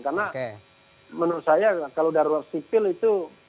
karena menurut saya kalau darurat sipil itu